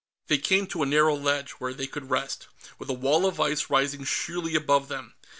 They came to a narrow ledge, where they could rest, with a wall of ice rising sheerly above them.